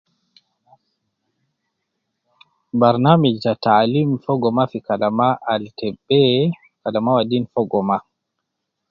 Barnamij ta taalim fogo Mafi Kalama al te be, kalama wadin fogo ma